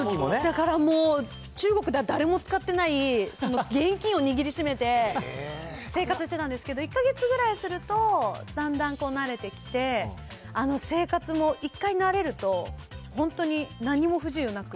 だから、中国では誰も使ってない、現金を握りしめて、生活してたんですけど、１か月ぐらいすると、だんだんこう、慣れてきて、生活も一回慣れると、本当に何も不自由なく。